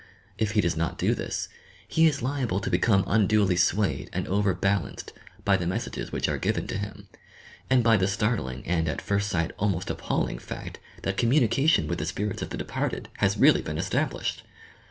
If he does not do this, he is liable to become unduly swayed and overbalanced by the messages whieb are given to him, and by the startling and at first sight almost appalling fact that communication with the spirits of the departed has really been established!